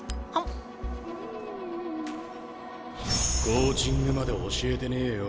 コーチングまで教えてねえよ。